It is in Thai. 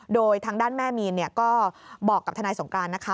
โดยทางด้านแม่มีนก็บอกกับทนายสงการนะคะ